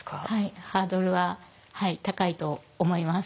ハードルははい高いと思います。